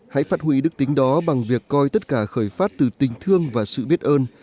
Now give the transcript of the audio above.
hãy phát hủy đức tính đó bằng việc coi tất cả khởi phát từ tình thương và sự biết ơn